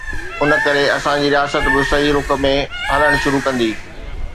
ان ڪري اسان جي رياست به صحيح رخ ۾ هلڻ شروع ڪندي.